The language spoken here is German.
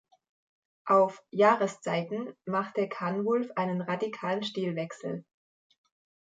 Auf "Jahreszeiten" machte Kanwulf einen radikalen Stilwechsel.